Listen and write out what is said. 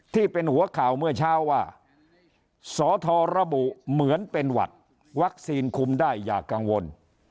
ที่เป็นหัวข่าวเมื่อเช้าว่าสอทรระบุเหมือนเป็นหวัดวัคซีนคุมได้อย่ากังวล